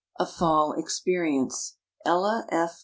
A FALL EXPERIENCE. ELLA F.